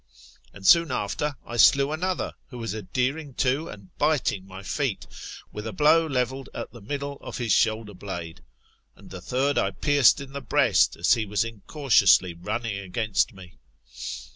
And 1 soon after, I slew another, who was adhering to and biting my feet, with a blow levelled at the middle of his shoulder blade; and the third I pierced in the breast, as he was incautiously running against me.